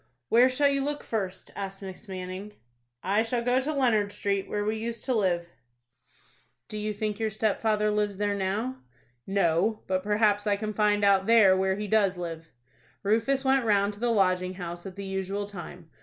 "Where shall you look first?" asked Miss Manning. "I shall go to Leonard Street, where we used to live." "Do you think your stepfather lives there now?" "No; but perhaps I can find out there where he does live." Rufus went round to the Lodging House at the usual time.